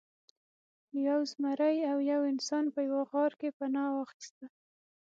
یو زمری او یو انسان په یوه غار کې پناه واخیسته.